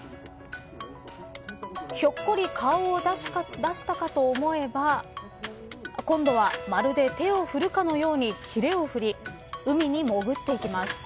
ひょっこり顔を出したかと思えば今度はまるで手を振るかのようにひれを振り海に潜っていきます。